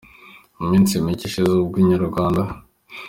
Mu minsi micye ishize ubwo Inyarwanda.